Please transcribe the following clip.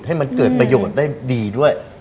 ให้มันเกิดประโยชน์ได้ดีด้วย